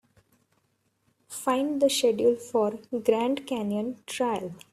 Find the schedule for Grand Canyon Trail.